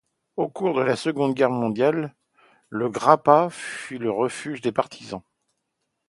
Au cours de la Seconde Guerre mondiale, le Grappa fut le refuge des partisans.